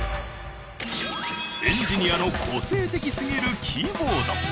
エンジニアの個性的すぎるキーボード。